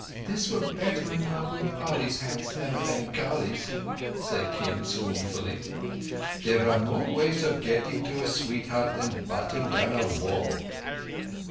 "This were better in Mahbub Ali's hands than a Bengali's," said Kim scornfully. "There are more ways of getting to a sweetheart than butting down a wall."